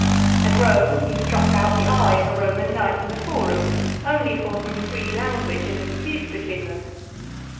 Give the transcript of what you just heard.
At Rome, he struck out the eye of a Roman knight in the Forum, only for some free language in a dispute between them.